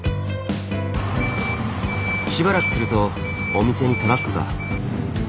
しばらくするとお店にトラックが。